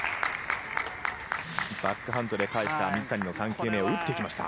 バックハンドで返した水谷の３球目を打ってきました。